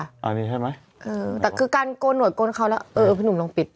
อันนี้ใช่ไหมเออแต่คือการโกนหวดโกนเขาแล้วเออพี่หนุ่มลองปิด